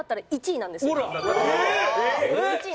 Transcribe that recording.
１位なんです。